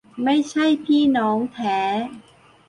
ไม่ใช่พี่น้องแท้